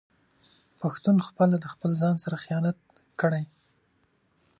پښتون خپله د خپل ځان سره خيانت کړي